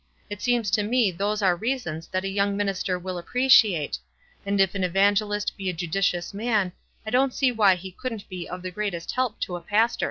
It seems to me those are reasons that a young minister will appreciate ; and if an evangelist be a judi ciousman, I don't see why he couldn't be of the greatest help to a pastor."